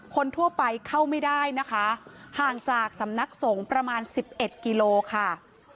คนทั่วไปเข้าไม่ได้นะคะห่างจากสำนักสงฆ์ประมาณ๑๑กิโลค่ะ